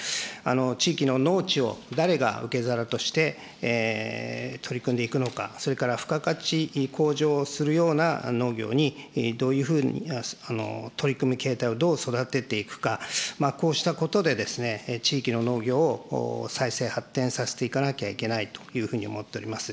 地域の農地を誰が受け皿として取り組んでいくのか、それから、付加価値向上するような農業に、どういうふうに取り組む経営体をどう育てていくか、こうしたことで、地域の農業を再生、発展させていかなきゃいけないというふうに思っております。